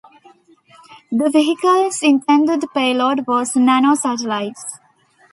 The vehicle's intended payload was nano-satellites.